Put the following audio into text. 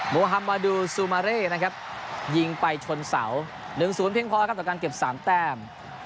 โมฮัมมาดูซูมาเร่นะครับยิงไปชนเสา๑๐เพียงพอครับต่อการเก็บ๓แต้ม